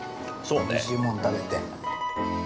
おいしいもん食べて。